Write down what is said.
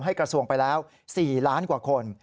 กระทรวงไปแล้ว๔ล้านกว่าคน